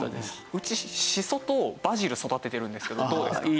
うちシソとバジル育ててるんですけどどうですか？